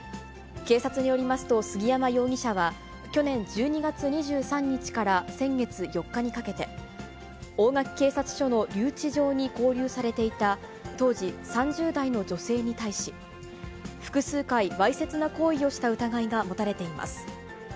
警察によりますと、杉山容疑者は去年１２月２３日から先月４日にかけて、大垣警察署の留置場に拘留されていた、当時３０代の女性に対し、複数回、わいせつな行為をした疑いが持たれています。